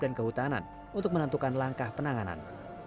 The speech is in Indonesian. dan kehutanan untuk menentukan langkah penanganan